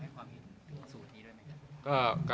ให้ความอินเสร็จแบบนี้เลยไหมครับ